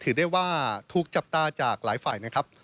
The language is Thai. ถือได้ว่าถูกจับตาจากหลายฝ่ายนะครับ